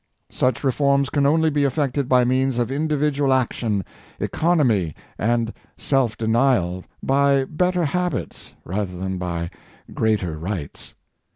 Such reforms can only be effected by means of individual action, economy, and self denial; by better habits, rather than by greater rights.